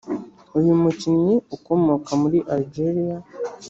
Uyu mukinnyi ukomoka muri Algeria